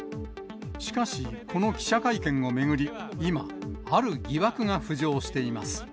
しかし、この記者会見を巡り、今、ある疑惑が浮上しています。